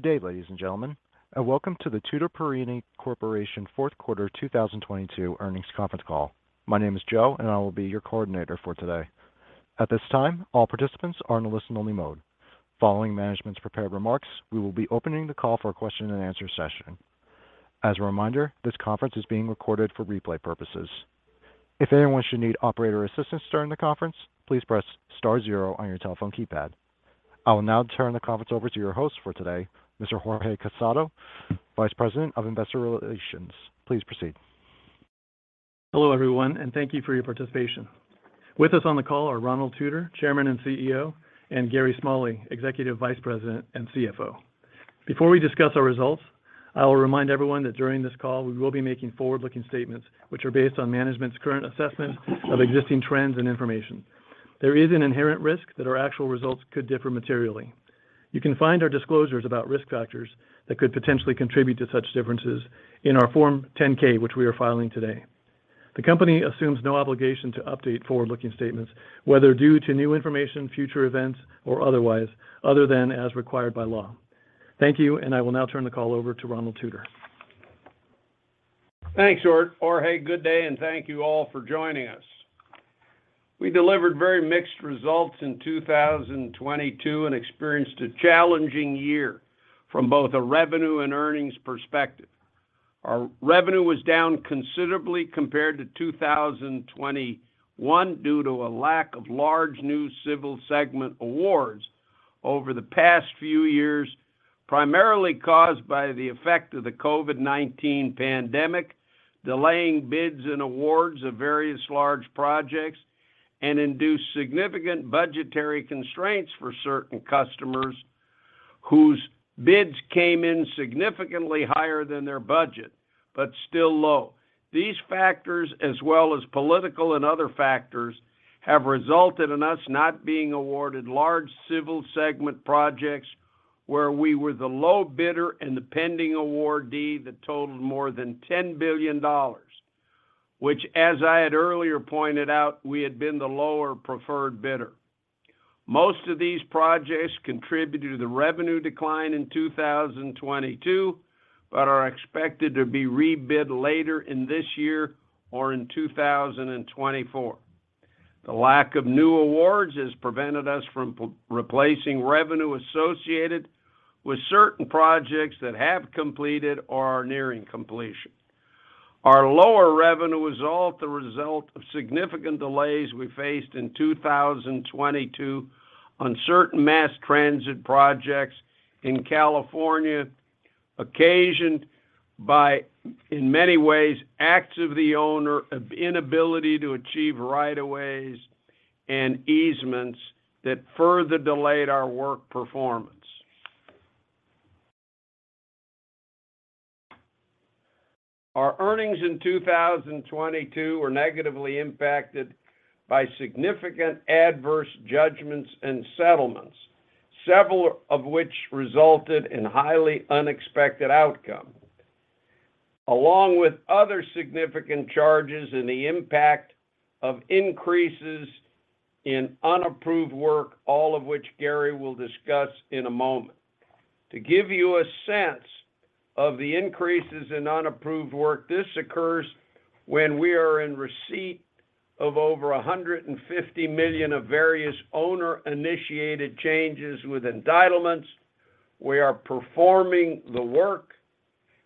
Good day, ladies and gentlemen, and welcome to the Tutor Perini Corporation Fourth Quarter 2022 Earnings Conference Call. My name is Joe, and I will be your coordinator for today. At this time, all participants are in a listen only mode. Following management's prepared remarks, we will be opening the call for a question and answer session. As a reminder, this conference is being recorded for replay purposes. If anyone should need operator assistance during the conference, please press star zero on your telephone keypad. I will now turn the conference over to your host for today, Mr. Jorge Casado, Vice President of Investor Relations. Please proceed. Hello, everyone, and thank you for your participation. With us on the call are Ronald Tutor, Chairman and CEO, and Gary Smalley, Executive Vice President and CFO. Before we discuss our results, I will remind everyone that during this call we will be making forward-looking statements, which are based on management's current assessment of existing trends and information. There is an inherent risk that our actual results could differ materially. You can find our disclosures about risk factors that could potentially contribute to such differences in our Form 10-K, which we are filing today. The company assumes no obligation to update forward-looking statements, whether due to new information, future events, or otherwise, other than as required by law. Thank you, and I will now turn the call over to Ronald Tutor. Thanks, Jorge. Good day. Thank you all for joining us. We delivered very mixed results in 2022 and experienced a challenging year from both a revenue and earnings perspective. Our revenue was down considerably compared to 2021 due to a lack of large new civil segment awards over the past few years, primarily caused by the effect of the COVID-19 pandemic, delaying bids and awards of various large projects and induced significant budgetary constraints for certain customers whose bids came in significantly higher than their budget, but still low. These factors, as well as political and other factors, have resulted in us not being awarded large civil segment projects where we were the low bidder and the pending awardee that totaled more than $10 billion, which as I had earlier pointed out, we had been the lower preferred bidder. Most of these projects contributed to the revenue decline in 2022, but are expected to be rebid later in this year or in 2024. The lack of new awards has prevented us from replacing revenue associated with certain projects that have completed or are nearing completion. Our lower revenue was all the result of significant delays we faced in 2022 on certain mass transit projects in California, occasioned by, in many ways, acts of the owner of inability to achieve right of ways and easements that further delayed our work performance. Our earnings in 2022 were negatively impacted by significant adverse judgments and settlements, several of which resulted in highly unexpected outcome. Along with other significant charges and the impact of increases in unapproved work, all of which Gary will discuss in a moment. To give you a sense of the increases in unapproved work, this occurs when we are in receipt of over $150 million of various owner-initiated changes with entitlements. We are performing the work.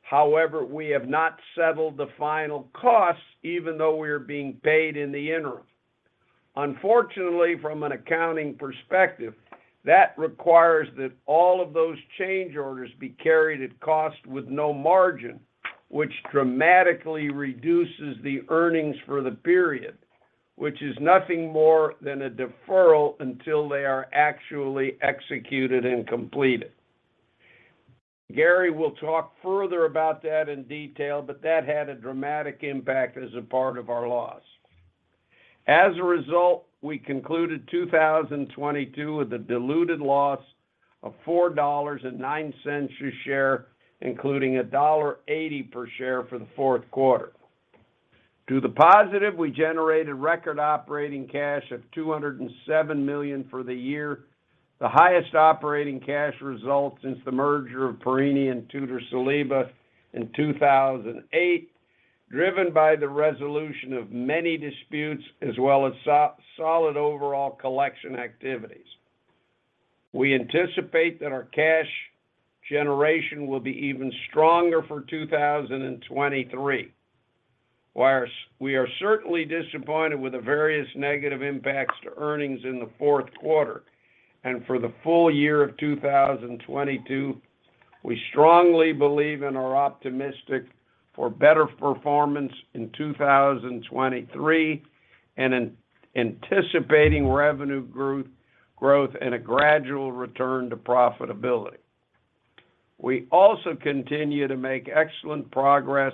However, we have not settled the final costs even though we are being paid in the interim. Unfortunately, from an accounting perspective, that requires that all of those change orders be carried at cost with no margin, which dramatically reduces the earnings for the period, which is nothing more than a deferral until they are actually executed and completed. Gary will talk further about that in detail, that had a dramatic impact as a part of our loss. As a result, we concluded 2022 with a diluted loss of $4.09 per share, including $1.80 per share for the fourth quarter. To the positive, we generated record operating cash of $207 million for the year, the highest operating cash result since the merger of Perini and Tutor-Saliba in 2008, driven by the resolution of many disputes as well as so-solid overall collection activities. We anticipate that our cash generation will be even stronger for 2023. While we are certainly disappointed with the various negative impacts to earnings in the fourth quarter and for the full-year of 2022, we strongly believe and are optimistic for better performance in 2023 and an anticipating revenue growth and a gradual return to profitability. We also continue to make excellent progress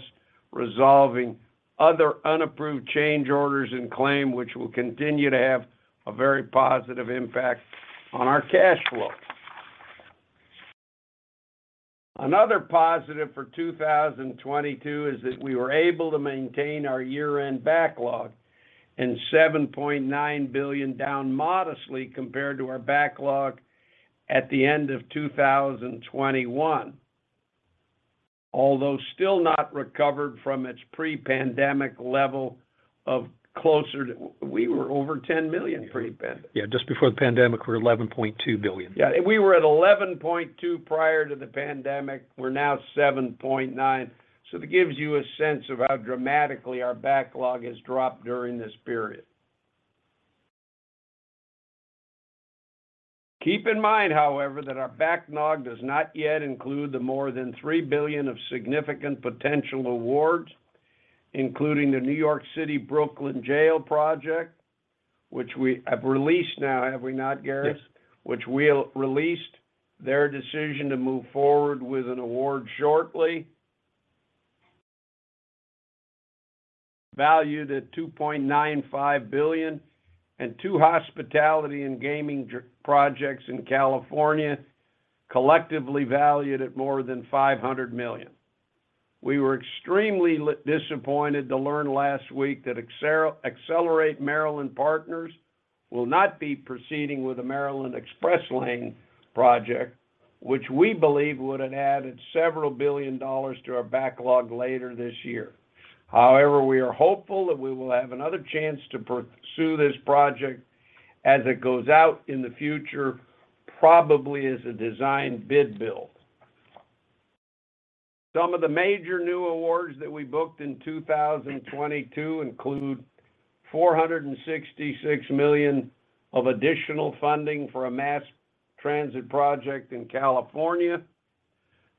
resolving other unapproved change orders and claim, which will continue to have a very positive impact on our cash flow. Another positive for 2022 is that we were able to maintain our year-end backlog and $7.9 billion down modestly compared to our backlog at the end of 2021. Still not recovered from its pre-pandemic level of closer to... We were over $10 billion pre-pandemic. Yeah, just before the pandemic, we were $11.2 billion. We were at $11.2 prior to the pandemic. We're now $7.9. That gives you a sense of how dramatically our backlog has dropped during this period. Keep in mind, however, that our backlog does not yet include the more than $3 billion of significant potential awards, including the New York City Brooklyn Jail project, which we have released now, have we not, Garrett? Yes. We released their decision to move forward with an award shortly. Valued at $2.95 billion and two hospitality and gaming projects in California, collectively valued at more than $500 million. We were extremely disappointed to learn last week that Accelerate Maryland Partners will not be proceeding with the Maryland Express Lanes Project, which we believe would have added several billion dollars to our backlog later this year. However, we are hopeful that we will have another chance to pursue this project as it goes out in the future, probably as a design-bid-build. Some of the major new awards that we booked in 2022 include $466 million of additional funding for a mass transit project in California.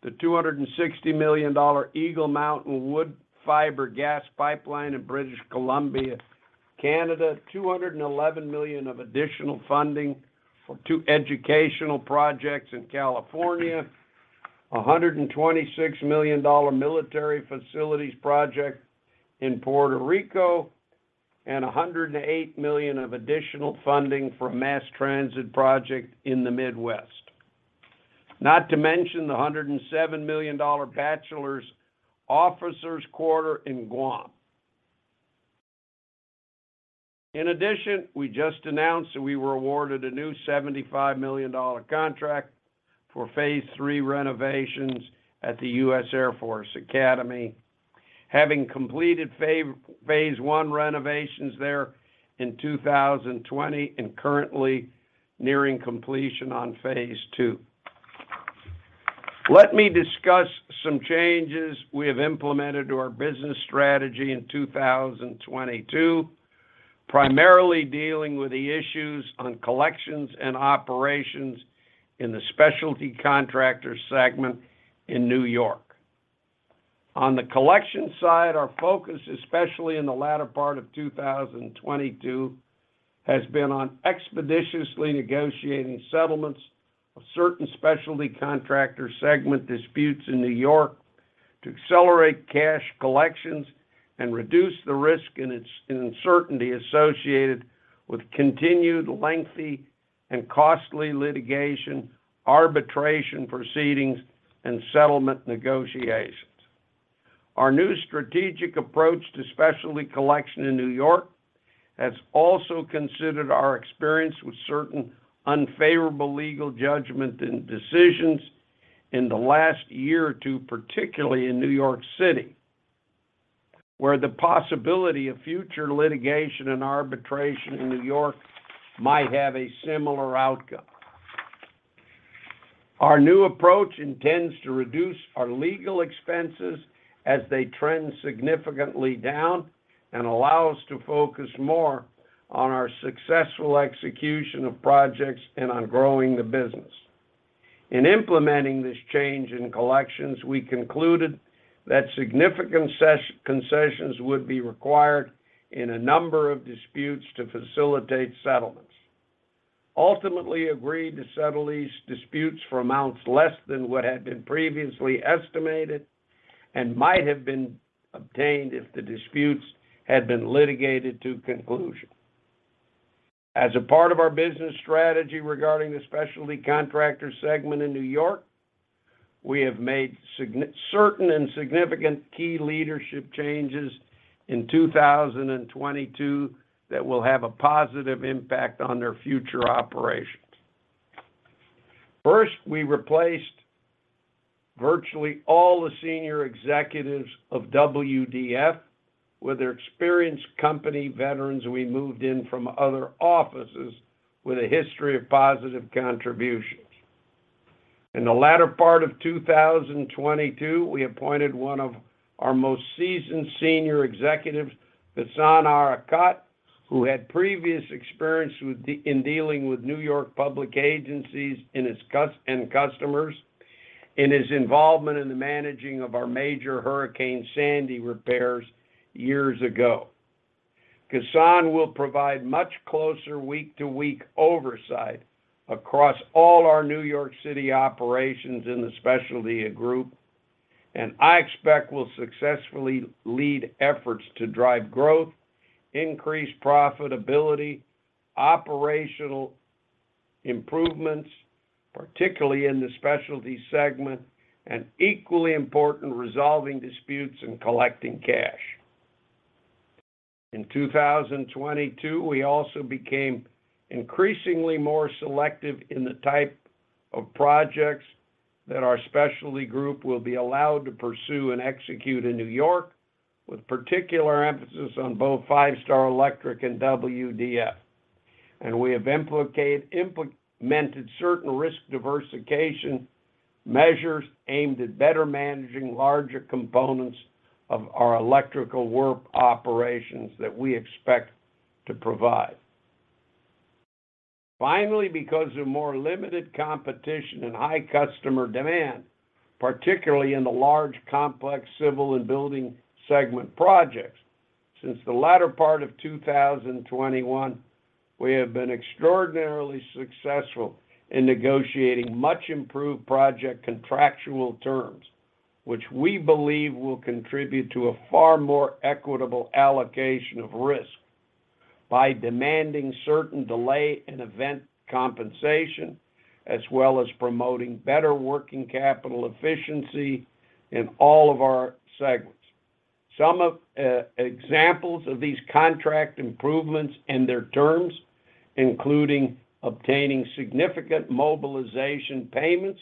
The 260 million dollar Eagle Mountain-Woodfibre Gas Pipeline in British Columbia, Canada. $211 million of additional funding for two educational projects in California. A $126 million military facilities project in Puerto Rico, and $108 million of additional funding for a mass transit project in the Midwest. Not to mention the $107 million Bachelor Officer Quarters in Guam. In addition, we just announced that we were awarded a new $75 million contract for phase III renovations at the U.S. Air Force Academy, having completed phase I renovations there in 2020 and currently nearing completion on phase II. Let me discuss some changes we have implemented to our business strategy in 2022, primarily dealing with the issues on collections and operations in the specialty contractor segment in New York. On the collection side, our focus, especially in the latter part of 2022, has been on expeditiously negotiating settlements of certain specialty contractor segment disputes in New York to accelerate cash collections and reduce the risk and its uncertainty associated with continued lengthy and costly litigation, arbitration proceedings, and settlement negotiations. Our new strategic approach to specialty collection in New York has also considered our experience with certain unfavorable legal judgment and decisions in the last year or two, particularly in New York City, where the possibility of future litigation and arbitration in New York might have a similar outcome. Our new approach intends to reduce our legal expenses as they trend significantly down and allow us to focus more on our successful execution of projects and on growing the business. In implementing this change in collections, we concluded that significant concessions would be required in a number of disputes to facilitate settlements. Ultimately agreed to settle these disputes for amounts less than what had been previously estimated and might have been obtained if the disputes had been litigated to conclusion. As a part of our business strategy regarding the specialty contractor segment in New York, we have made certain and significant key leadership changes in 2022 that will have a positive impact on their future operations. First, we replaced virtually all the senior executives of WDF with their experienced company veterans we moved in from other offices with a history of positive contributions. In the latter part of 2022, we appointed one of our most seasoned senior executives, Ghassan Ariqat, who had previous experience in dealing with New York public agencies and its customers in his involvement in the managing of our major Hurricane Sandy repairs years ago. Ghassan will provide much closer week-to-week oversight across all our New York City operations in the specialty group, and I expect will successfully lead efforts to drive growth, increase profitability, operational improvements, particularly in the specialty segment, and equally important, resolving disputes and collecting cash. In 2022, we also became increasingly more selective in the type of projects that our specialty group will be allowed to pursue and execute in New York, with particular emphasis on both Five Star Electric and WDF. We have implemented certain risk diversification measures aimed at better managing larger components of our electrical work operations that we expect to provide. Finally, because of more limited competition and high customer demand, particularly in the large, complex civil and building segment projects, since the latter part of 2021, we have been extraordinarily successful in negotiating much improved project contractual terms. Which we believe will contribute to a far more equitable allocation of risk by demanding certain delay and event compensation, as well as promoting better working capital efficiency in all of our segments. Some of examples of these contract improvements and their terms, including obtaining significant mobilization payments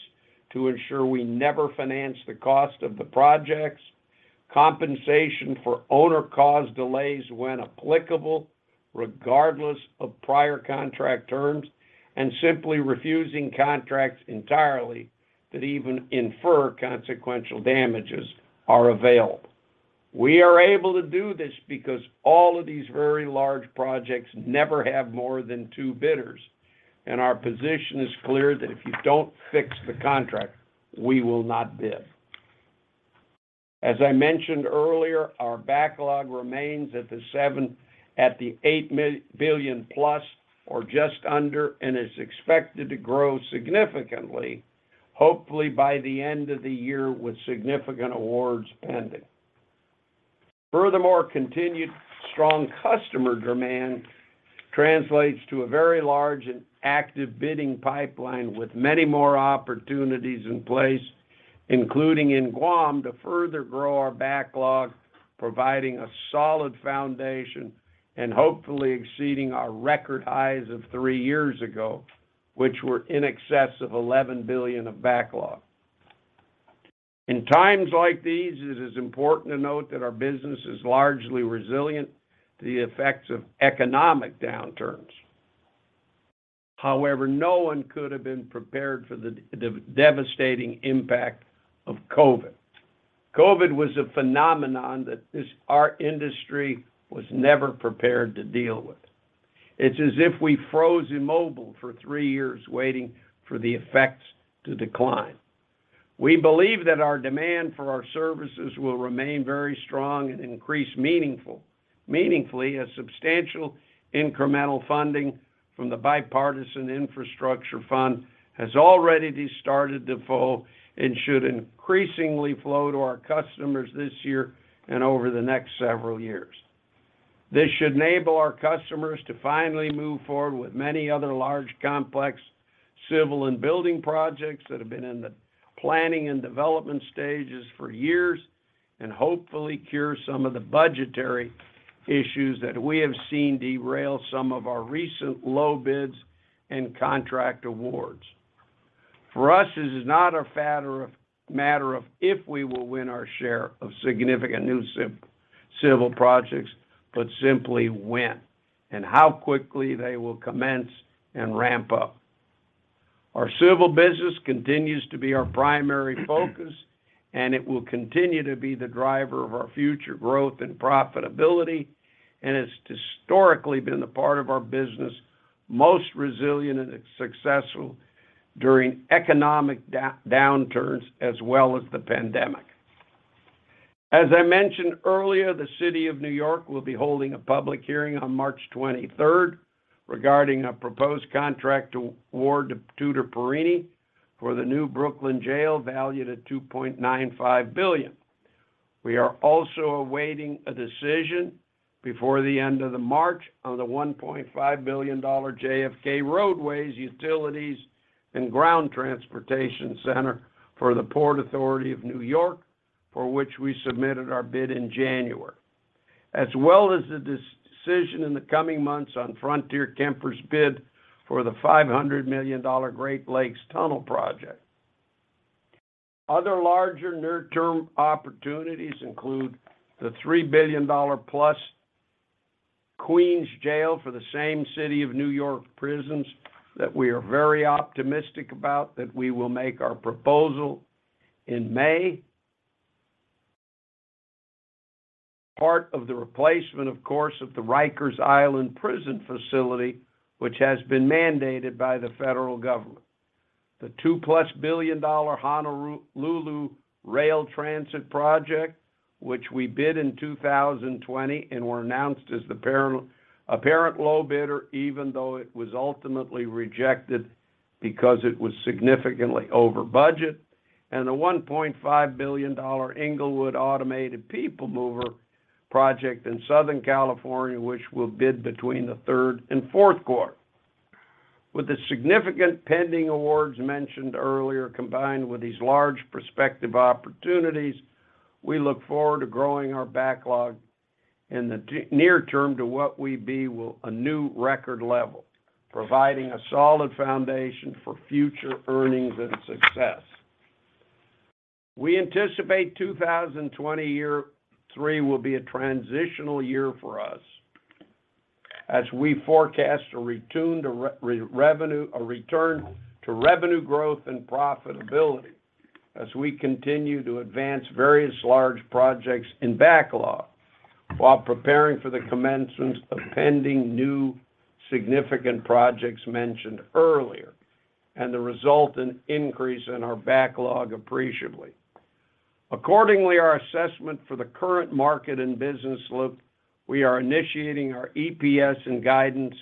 to ensure we never finance the cost of the projects, compensation for owner-caused delays when applicable, regardless of prior contract terms, and simply refusing contracts entirely that even infer consequential damages are available. We are able to do this because all of these very large projects never have more than two bidders. Our position is clear that if you don't fix the contract, we will not bid. As I mentioned earlier, our backlog remains at the $8 billion-plus or just under and is expected to grow significantly, hopefully by the end of the year with significant awards pending. Furthermore, continued strong customer demand translates to a very large and active bidding pipeline with many more opportunities in place, including in Guam, to further grow our backlog, providing a solid foundation and hopefully exceeding our record highs of three years ago, which were in excess of $11 billion of backlog. In times like these, it is important to note that our business is largely resilient to the effects of economic downturns. However, no one could have been prepared for the devastating impact of COVID. COVID was a phenomenon that our industry was never prepared to deal with. It's as if we froze immobile for three years, waiting for the effects to decline. We believe that our demand for our services will remain very strong and increase meaningfully as substantial incremental funding from the Bipartisan Infrastructure fund has already started to flow and should increasingly flow to our customers this year and over the next several years. This should enable our customers to finally move forward with many other large, complex civil and building projects that have been in the planning and development stages for years and hopefully cure some of the budgetary issues that we have seen derail some of our recent low bids and contract awards. For us, this is not a matter of if we will win our share of significant new civil projects, but simply when and how quickly they will commence and ramp up. Our civil business continues to be our primary focus. It will continue to be the driver of our future growth and profitability. It's historically been the part of our business most resilient and successful during economic downturns as well as the pandemic. As I mentioned earlier, the City of New York will be holding a public hearing on March 23rd regarding a proposed contract award to Tutor Perini for the new Brooklyn jail valued at $2.95 billion. We are also awaiting a decision before the end of the March on the $1.5 billion JFK Roadways, Utilities, and Ground Transportation Center for the Port Authority of New York, for which we submitted our bid in January. As well as the decision in the coming months on Frontier Kemper's bid for the $500 million Great Lakes Tunnel project. Other larger near-term opportunities include the $3 billion+ Queens jail for the same City of New York prisons that we are very optimistic about that we will make our proposal in May. Part of the replacement, of course, of the Rikers Island Prison Facility, which has been mandated by the federal government. The $2-plus billion Honolulu Rail Transit project, which we bid in 2020 and were announced as the apparent low bidder, even though it was ultimately rejected because it was significantly over budget. The $1.5 billion Inglewood Automated People Mover project in Southern California, which we'll bid between the third and fourth quarter. With the significant pending awards mentioned earlier, combined with these large prospective opportunities, we look forward to growing our backlog in the near term to what will be a new record level, providing a solid foundation for future earnings and success. We anticipate 2,020 year three will be a transitional year for us as we forecast a return to revenue growth and profitability as we continue to advance various large projects in backlog while preparing for the commencement of pending new significant projects mentioned earlier and the resultant increase in our backlog appreciably. Accordingly, our assessment for the current market and business look, we are initiating our EPS and guidance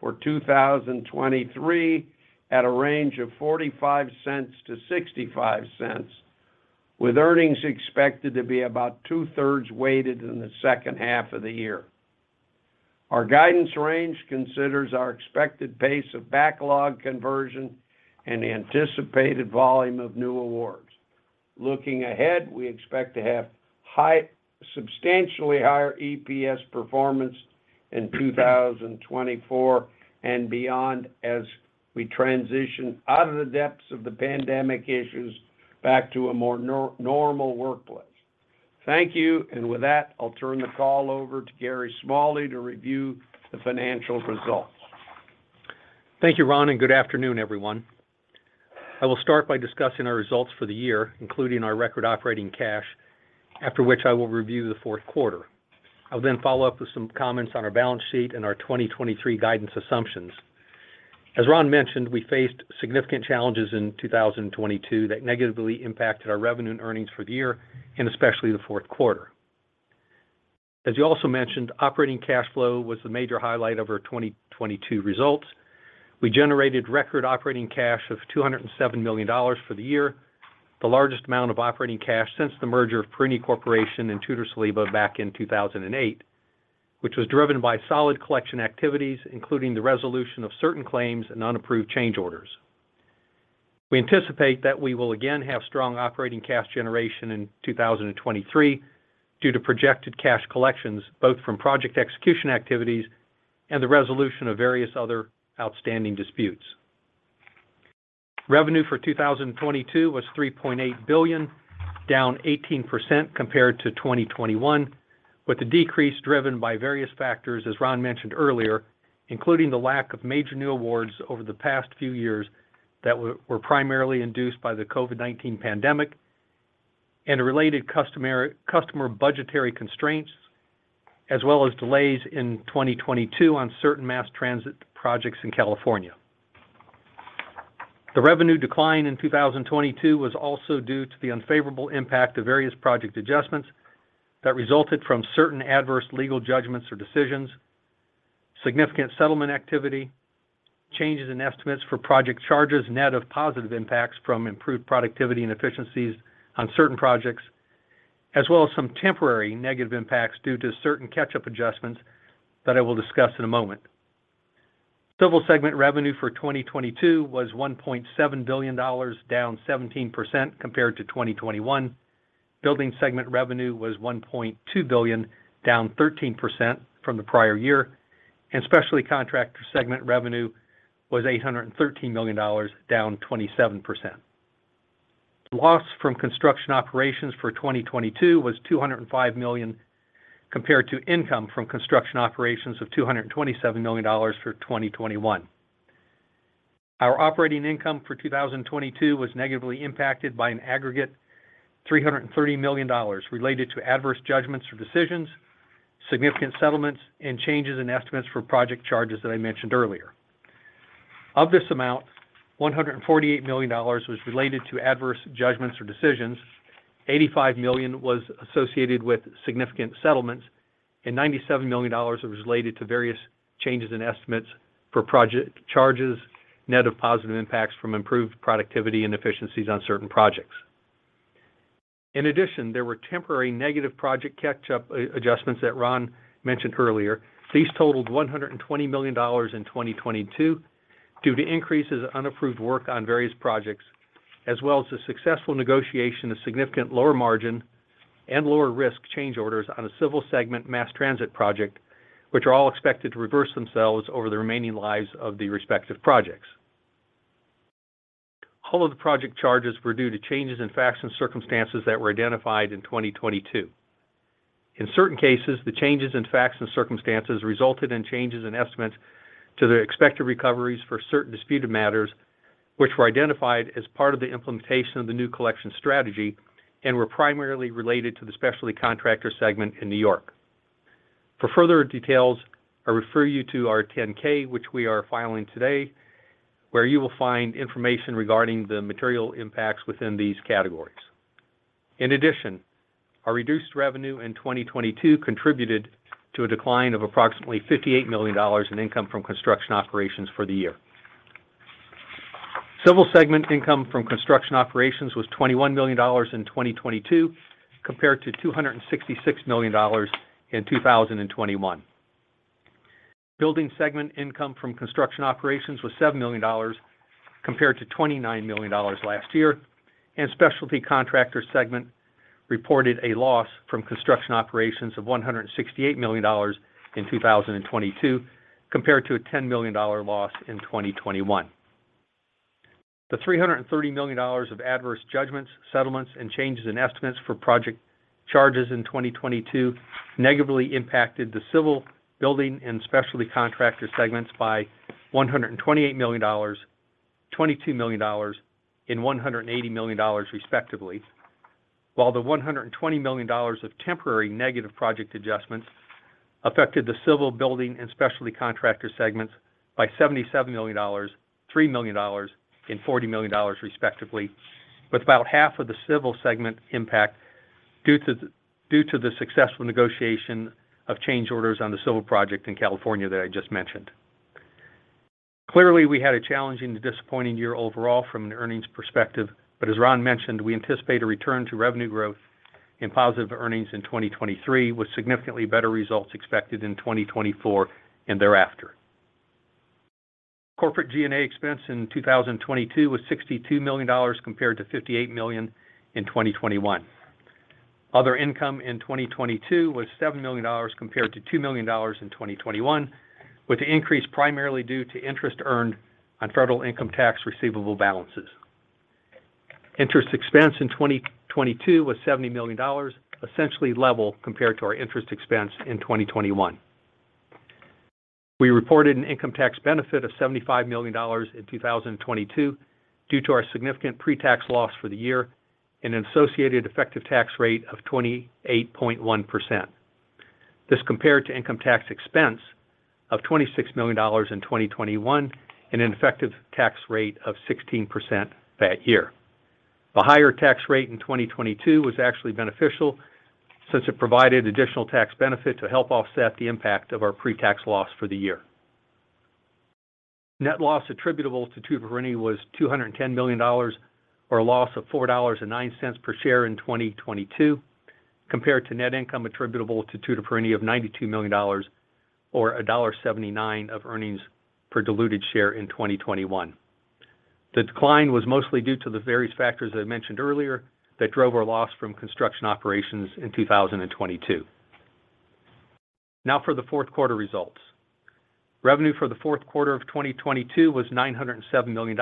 for 2023 at a range of $0.45-$0.65, with earnings expected to be about two-thirds weighted in the second half of the year. Our guidance range considers our expected pace of backlog conversion and anticipated volume of new awards. Looking ahead, we expect to have substantially higher EPS performance in 2024 and beyond as we transition out of the depths of the pandemic issues back to a more normal workplace. Thank you. With that, I'll turn the call over to Gary Smalley to review the financial results. Thank you, Ron. Good afternoon, everyone. I will start by discussing our results for the year, including our record operating cash, after which I will review the fourth quarter. I'll follow up with some comments on our balance sheet and our 2023 guidance assumptions. As Ron mentioned, we faced significant challenges in 2022 that negatively impacted our revenue and earnings for the year and especially the fourth quarter. As you also mentioned, operating cash flow was the major highlight of our 2022 results. We generated record operating cash of $207 million for the year, the largest amount of operating cash since the merger of Perini Corporation and Tutor-Saliba Corporation back in 2008, which was driven by solid collection activities, including the resolution of certain claims and unapproved change orders. We anticipate that we will again have strong operating cash generation in 2023 due to projected cash collections, both from project execution activities and the resolution of various other outstanding disputes. Revenue for 2022 was $3.8 billion, down 18% compared to 2021, with the decrease driven by various factors, as Ron mentioned earlier, including the lack of major new awards over the past few years that were primarily induced by the COVID-19 pandemic and a related customer budgetary constraints, as well as delays in 2022 on certain mass transit projects in California. The revenue decline in 2022 was also due to the unfavorable impact of various project adjustments that resulted from certain adverse legal judgments or decisions, significant settlement activity, changes in estimates for project charges net of positive impacts from improved productivity and efficiencies on certain projects, as well as some temporary negative impacts due to certain catch-up adjustments that I will discuss in a moment. Civil segment revenue for 2022 was $1.7 billion, down 17% compared to 2021. Building segment revenue was $1.2 billion, down 13% from the prior-year, and specialty contractor segment revenue was $813 million, down 27%. Loss from construction operations for 2022 was $205 million compared to income from construction operations of $227 million for 2021. Our operating income for 2022 was negatively impacted by an aggregate $330 million related to adverse judgments or decisions, significant settlements, and changes in estimates for project charges that I mentioned earlier. Of this amount, $148 million was related to adverse judgments or decisions, $85 million was associated with significant settlements, and $97 million was related to various changes in estimates for project charges, net of positive impacts from improved productivity and efficiencies on certain projects. In addition, there were temporary negative project catch-up adjustments that Ron mentioned earlier. These totaled $120 million in 2022 due to increases of unapproved work on various projects, as well as the successful negotiation of significant lower margin and lower risk change orders on a civil segment mass transit project, which are all expected to reverse themselves over the remaining lives of the respective projects. All of the project charges were due to changes in facts and circumstances that were identified in 2022. In certain cases, the changes in facts and circumstances resulted in changes in estimates to the expected recoveries for certain disputed matters, which were identified as part of the implementation of the new collection strategy and were primarily related to the specialty contractor segment in New York. For further details, I refer you to our 10-K, which we are filing today, where you will find information regarding the material impacts within these categories. Our reduced revenue in 2022 contributed to a decline of approximately $58 million in income from construction operations for the year. Civil Segment income from construction operations was $21 million in 2022, compared to $266 million in 2021. Building Segment income from construction operations was $7 million, compared to $29 million last year. Specialty Contractor Segment reported a loss from construction operations of $168 million in 2022, compared to a $10 million loss in 2021. The $330 million of adverse judgments, settlements, and changes in estimates for project charges in 2022 negatively impacted the Civil, Building and Specialty Contractor Segments by $128 million, $22 million, and $180 million respectively. While the $120 million of temporary negative project adjustments affected the Civil Building and Specialty Contractor segments by $77 million, $3 million, and $40 million respectively, with about half of the civil segment impact due to the successful negotiation of change orders on the civil project in California that I just mentioned. Clearly, we had a challenging, disappointing year overall from an earnings perspective. As Ron mentioned, we anticipate a return to revenue growth and positive earnings in 2023, with significantly better results expected in 2024 and thereafter. Corporate G&A expense in 2022 was $62 million, compared to $58 million in 2021. Other income in 2022 was $7 million, compared to $2 million in 2021, with the increase primarily due to interest earned on federal income tax receivable balances. Interest expense in 2022 was $70 million, essentially level compared to our interest expense in 2021. We reported an income tax benefit of $75 million in 2022 due to our significant pre-tax loss for the year and an associated effective tax rate of 28.1%. This compared to income tax expense of $26 million in 2021 and an effective tax rate of 16% that year. The higher tax rate in 2022 was actually beneficial since it provided additional tax benefit to help offset the impact of our pre-tax loss for the year. Net loss attributable to Tutor Perini was $210 million, or a loss of $4.09 per share in 2022, compared to net income attributable to Tutor Perini of $92 million or $1.79 of earnings per diluted share in 2021. The decline was mostly due to the various factors that I mentioned earlier that drove our loss from construction operations in 2022. For the fourth quarter results. Revenue for the fourth quarter of 2022 was $907 million,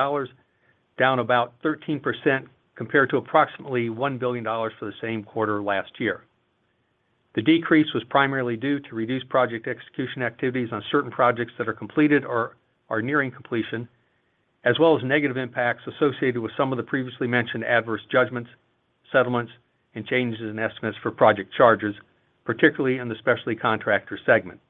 down about 13% compared to approximately $1 billion for the same quarter last year. The decrease was primarily due to reduced project execution activities on certain projects that are completed or are nearing completion, as well as negative impacts associated with some of the previously mentioned adverse judgments, settlements, and changes in estimates for project charges, particularly in the Specialty Contractor segment.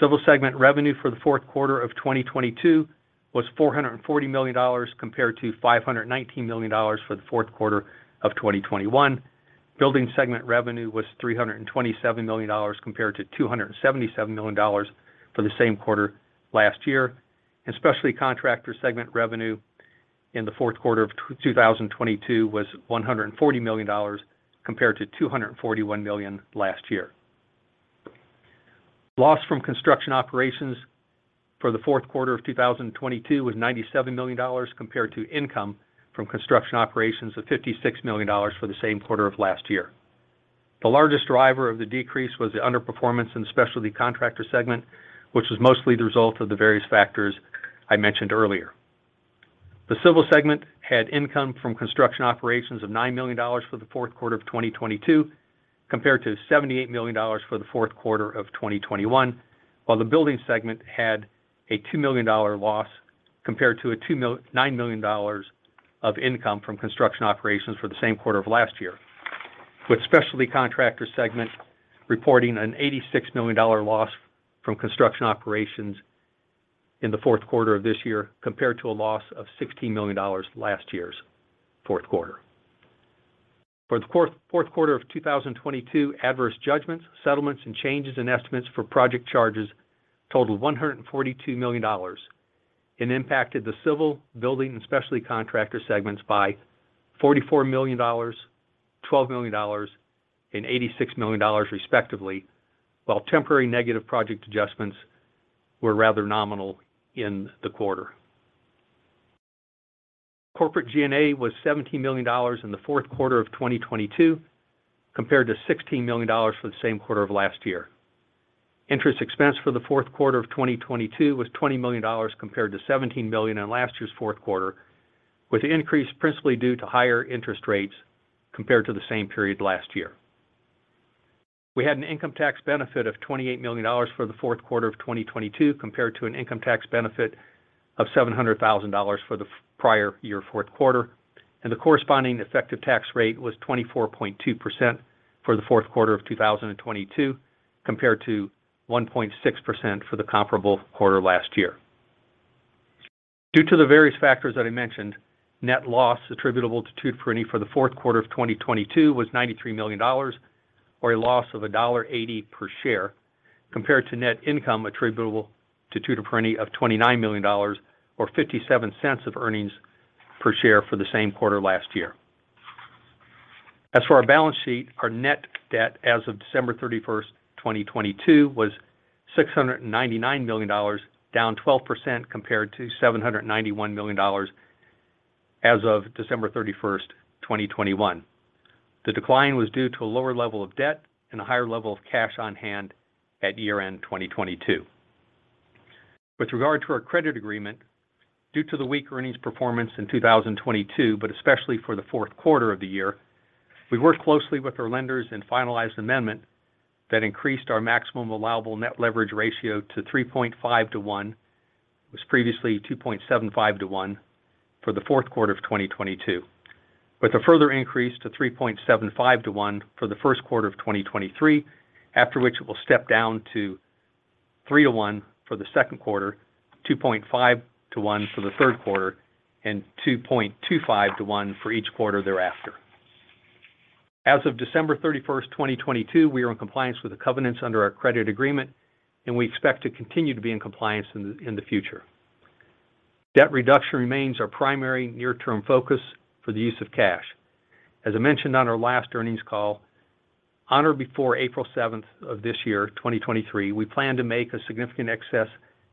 Civil segment revenue for the fourth quarter of 2022 was $440 million, compared to $519 million for the fourth quarter of 2021. Building segment revenue was $327 million compared to $277 million for the same quarter last year. Specialty Contractor segment revenue in the fourth quarter of 2022 was $140 million compared to $241 million last year. Loss from construction operations for the fourth quarter of 2022 was $97 million compared to income from construction operations of $56 million for the same quarter of last year. The largest driver of the decrease was the underperformance in Specialty Contractor segment, which was mostly the result of the various factors I mentioned earlier. The Civil segment had income from construction operations of $9 million for the fourth quarter of 2022, compared to $78 million for the fourth quarter of 2021, while the Building segment had a $2 million loss, compared to $9 million of income from construction operations for the same quarter of last year. With Specialty Contractor segment reporting an $86 million loss from construction operations in the fourth quarter of this year, compared to a loss of $16 million last year's fourth quarter. For the fourth quarter of 2022, adverse judgments, settlements, and changes in estimates for project charges totaled $142 million and impacted the Civil, Building, and Specialty Contractor segments by $44 million, $12 million, and $86 million respectively, while temporary negative project adjustments were rather nominal in the quarter. Corporate G&A was $17 million in the fourth quarter of 2022, compared to $16 million for the same quarter of last year. Interest expense for the fourth quarter of 2022 was $20 million compared to $17 million in last year's fourth quarter, with the increase principally due to higher interest rates compared to the same period last year. We had an income tax benefit of $28 million for the fourth quarter of 2022, compared to an income tax benefit of $700,000 for the prior-year fourth quarter, and the corresponding effective tax rate was 24.2% for the fourth quarter of 2022, compared to 1.6% for the comparable quarter last year. Due to the various factors that I mentioned, net loss attributable to Tutor Perini for the fourth quarter of 2022 was $93 million or a loss of $1.80 per share. Compared to net income attributable to Tutor Perini of $29 million or $0.57 of earnings per share for the same quarter last year. As for our balance sheet, our net debt as of December 31st, 2022 was $699 million, down 12% compared to $791 million as of December 31st, 2021. The decline was due to a lower level of debt and a higher level of cash on hand at year-end 2022. With regard to our credit agreement, due to the weaker earnings performance in 2022, especially for the fourth quarter of the year, we worked closely with our lenders and finalized amendment that increased our maximum allowable net leverage ratio to 3.5 to 1. It was previously 2.75 to 1 for the fourth quarter of 2022. With a further increase to 3.75 to 1 for the first quarter of 2023, after which it will step down to 3 to 1 for the second quarter, 2.5 to 1 for the third quarter, and 2.25 to 1 for each quarter thereafter. As of December 31st, 2022, we are in compliance with the covenants under our credit agreement. We expect to continue to be in compliance in the future. Debt reduction remains our primary near-term focus for the use of cash. As I mentioned on our last earnings call, on or before April 7th of this year, 2023, we plan to make a significant excess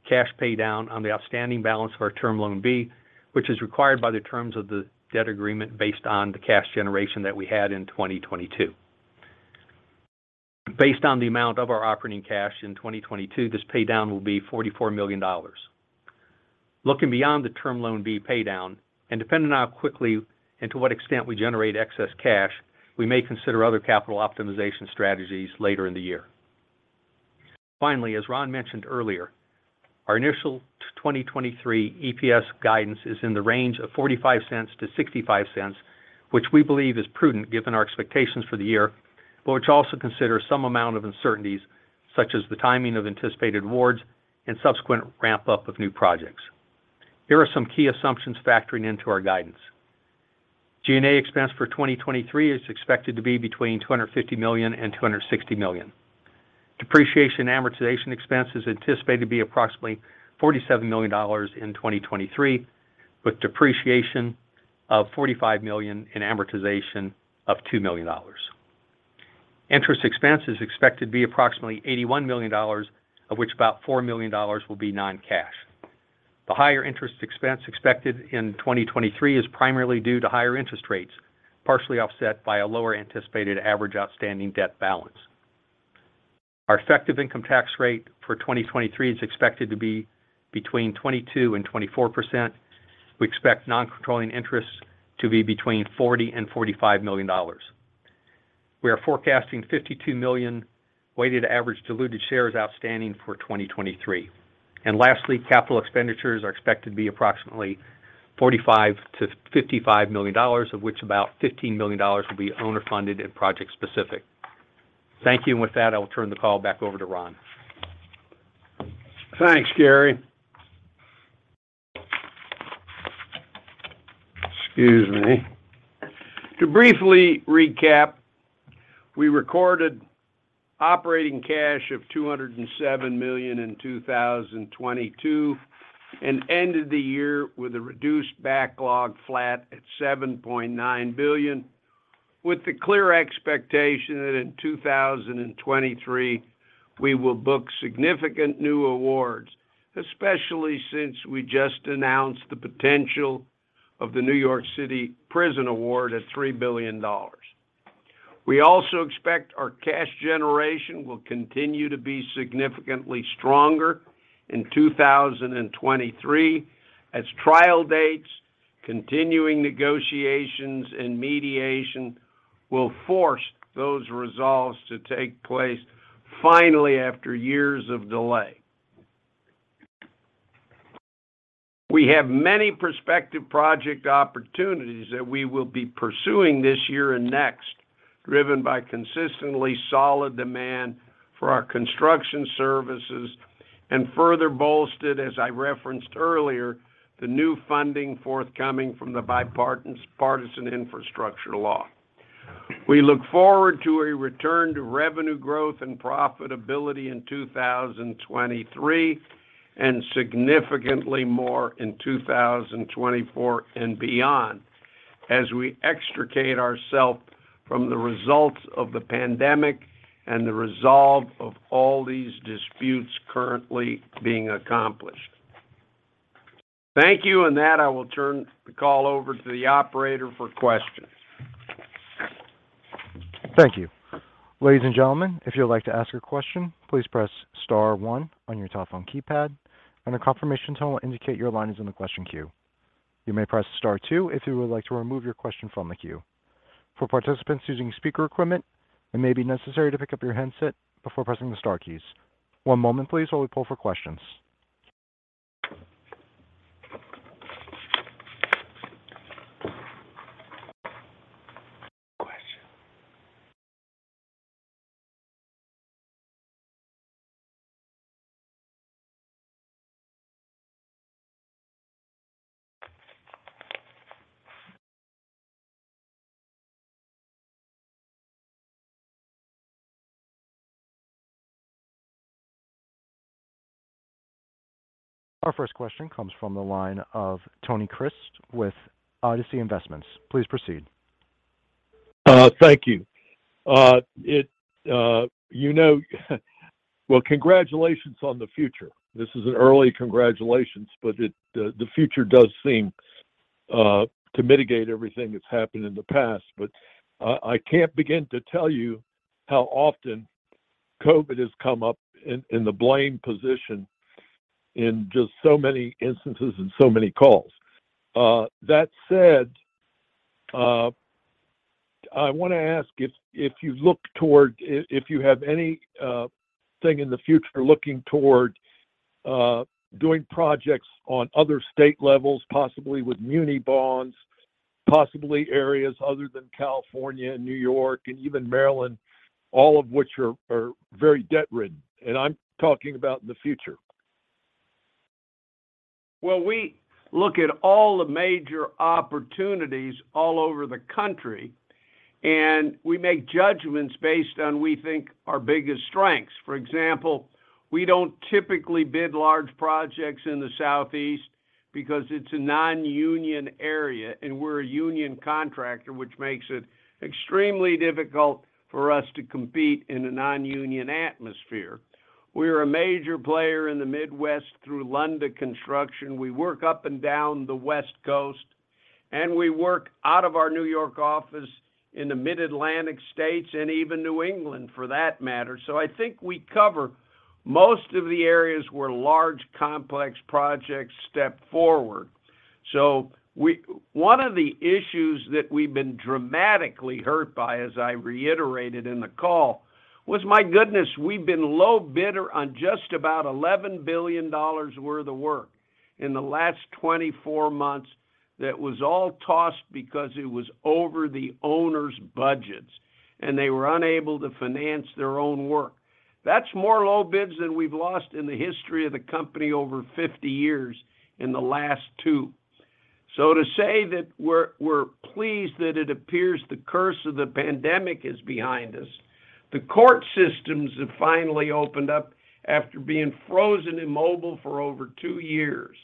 cash pay down on the outstanding balance of our Term Loan B, which is required by the terms of the debt agreement based on the cash generation that we had in 2022. Based on the amount of our operating cash in 2022, this pay down will be $44 million. Looking beyond the Term Loan B pay down and depending on how quickly and to what extent we generate excess cash, we may consider other capital optimization strategies later in the year. Finally, as Ron mentioned earlier, our initial 2023 EPS guidance is in the range of $0.45-$0.65, which we believe is prudent given our expectations for the year, but which also consider some amount of uncertainties, such as the timing of anticipated awards and subsequent ramp up of new projects. Here are some key assumptions factoring into our guidance. G&A expense for 2023 is expected to be between $250 million and $260 million. Depreciation and amortization expense is anticipated to be approximately $47 million in 2023, with depreciation of $45 million and amortization of $2 million. Interest expense is expected to be approximately $81 million, of which about $4 million will be non-cash. The higher interest expense expected in 2023 is primarily due to higher interest rates, partially offset by a lower anticipated average outstanding debt balance. Our effective income tax rate for 2023 is expected to be between 22% and 24%. We expect non-controlling interest to be between $40 million and $45 million. We are forecasting 52 million weighted average diluted shares outstanding for 2023. Lastly, capital expenditures are expected to be approximately $45 million-$55 million, of which about $15 million will be owner funded and project specific. Thank you. With that, I will turn the call back over to Ron. Thanks, Gary. Excuse me. To briefly recap, we recorded operating cash of $207 million in 2022, and ended the year with a reduced backlog flat at $7.9 billion, with the clear expectation that in 2023 we will book significant new awards, especially since we just announced the potential of the New York City prison award at $3 billion. We also expect our cash generation will continue to be significantly stronger in 2023 as trial dates, continuing negotiations, and mediation will force those resolves to take place finally after years of delay. We have many prospective project opportunities that we will be pursuing this year and next, driven by consistently solid demand for our construction services and further bolstered, as I referenced earlier, the new funding forthcoming from the Bipartisan Infrastructure Law. We look forward to a return to revenue growth and profitability in 2023 and significantly more in 2024 and beyond as we extricate ourself from the results of the pandemic and the resolve of all these disputes currently being accomplished. Thank you. On that, I will turn the call over to the operator for questions. Thank you. Ladies and gentlemen, if you would like to ask a question, please press star one on your telephone keypad and a confirmation tone will indicate your line is in the question queue. You may press star two if you would like to remove your question from the queue. For participants using speaker equipment, it may be necessary to pick up your handset before pressing the star keys. One moment, please, while we poll for questions. Question. Our first question comes from the line of Tony Crist with Odyssey Investments. Please proceed. Thank you. It, you know, well, congratulations on the future. This is an early congratulations, but it, the future does seem to mitigate everything that's happened in the past. I can't begin to tell you how often COVID has come up in the blame position in just so many instances and so many calls. That said, I wanna ask if you have anything in the future looking toward doing projects on other state levels, possibly with municipal bonds, possibly areas other than California and New York and even Maryland, all of which are very debt-ridden. I'm talking about in the future. Well, we look at all the major opportunities all over the country, and we make judgments based on we think our biggest strengths. For example, we don't typically bid large projects in the Southeast because it's a non-union area, and we're a union contractor, which makes it extremely difficult for us to compete in a non-union atmosphere. We're a major player in the Midwest through Lunda Construction. We work up and down the West Coast, and we work out of our New York office in the Mid-Atlantic states and even New England, for that matter. I think we cover most of the areas where large, complex projects step forward. One of the issues that we've been dramatically hurt by, as I reiterated in the call, was, my goodness, we've been low bidder on just about $11 billion worth of work in the last 24 months that was all tossed because it was over the owners' budgets, and they were unable to finance their own work. That's more low bids than we've lost in the history of the company over 50 years in the last two. To say that we're pleased that it appears the curse of the pandemic is behind us, the court systems have finally opened up after being frozen, immobile for over two years.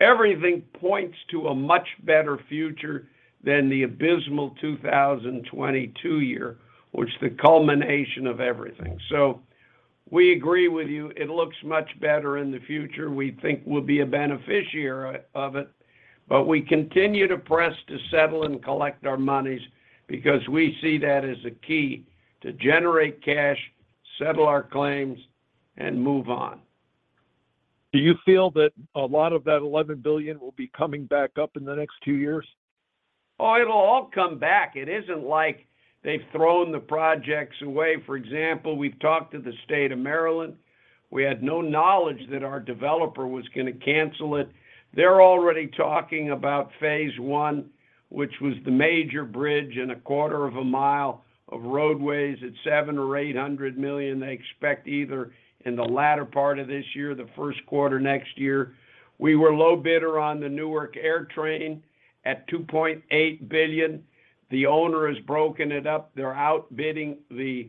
Everything points to a much better future than the abysmal 2022 year, which the culmination of everything. We agree with you. It looks much better in the future. We think we'll be a beneficiary of it, but we continue to press to settle and collect our monies because we see that as a key to generate cash, settle our claims, and move on. Do you feel that a lot of that $11 billion will be coming back up in the next two years? It'll all come back. It isn't like they've thrown the projects away. For example, we've talked to the state of Maryland. We had no knowledge that our developer was gonna cancel it. They're already talking about phase I, which was the major bridge and a quarter of a mile of roadways at $700 million-$800 million. They expect either in the latter part of this year, the first quarter next year. We were low bidder on the AirTrain Newark at $2.8 billion. The owner has broken it up. They're out bidding the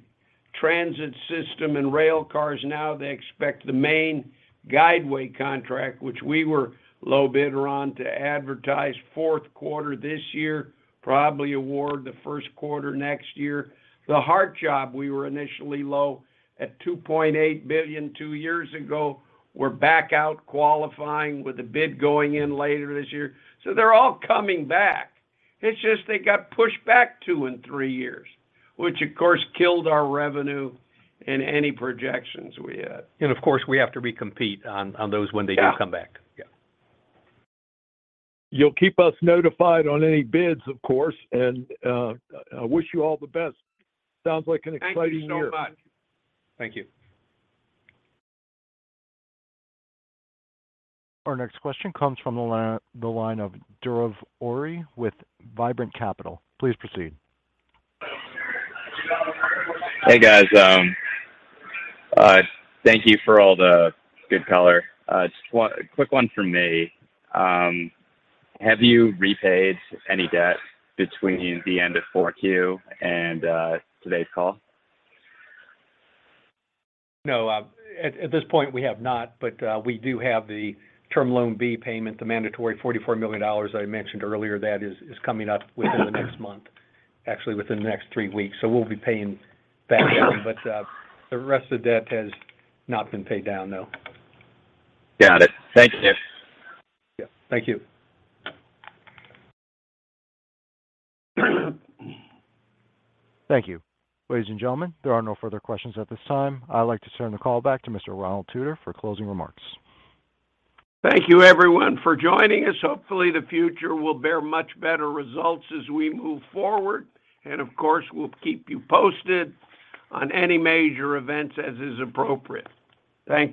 transit system and rail cars now. They expect the main guideway contract, which we were low bidder on, to advertise fourth quarter this year, probably award the first quarter next year. The hard-bid job, we were initially low at $2.8 billion two years ago. We're back out qualifying with a bid going in later this year. They're all coming back. It's just they got pushed back two and three years, which of course killed our revenue and any projections we had. Of course, we have to recompete on those when they do come back. Yeah. Yeah. You'll keep us notified on any bids, of course, and I wish you all the best. Sounds like an exciting year. Thank you so much. Thank you. Our next question comes from the line of Dhruv Ori with Vibrant Capital. Please proceed. Hey, guys. Thank you for all the good color. Just quick one from me. Have you repaid any debt between the end of 4Q and today's call? No. At this point we have not, we do have the Term Loan B payment, the mandatory $44 million I mentioned earlier. That is coming up within the next month, actually within the next three weeks. We'll be paying that down. The rest of the debt has not been paid down, no. Got it. Thanks, guys. Yeah. Thank you. Thank you. Ladies and gentlemen, there are no further questions at this time. I'd like to turn the call back to Mr. Ronald Tutor for closing remarks. Thank you, everyone, for joining us. Hopefully, the future will bear much better results as we move forward, and of course, we'll keep you posted on any major events as is appropriate. Thank you.